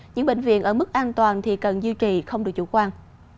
những bệnh viện ở mức an toàn thì cần duy trì không được chủ quan